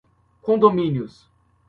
condôminos